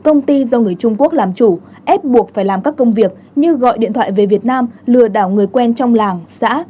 công ty do người trung quốc làm chủ ép buộc phải làm các công việc như gọi điện thoại về việt nam lừa đảo người quen trong làng xã